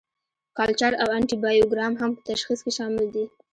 کلچر او انټي بایوګرام هم په تشخیص کې شامل دي.